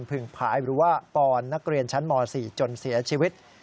ผึ่งผายหรือว่าปอนนักเรียนชั้นม๔จนเสียชีวิต